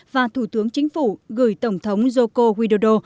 và thủ tướng chính phủ gửi tổng thống joko widodo